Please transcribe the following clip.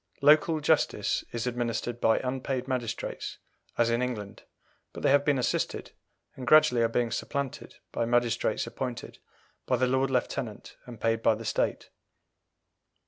Local justice is administered by unpaid magistrates as in England, but they have been assisted, and gradually are being supplanted, by magistrates appointed by the Lord Lieutenant and paid by the State.